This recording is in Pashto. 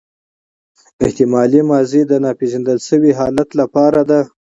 احتمالي ماضي د ناپیژندل سوي حالت له پاره ده.